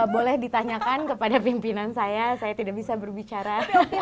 boleh ditanyakan kepada pimpinan saya saya tidak bisa berbicara